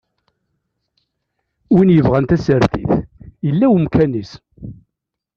Win yebɣan tasertit, yella wemkan-is.